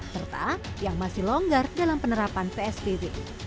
serta yang masih longgar dalam penerapan psbb